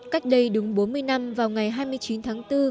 cách đây đứng bốn mươi năm vào ngày hai mươi chín tháng chín